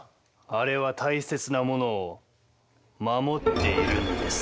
あれは大切なものを守っているんです。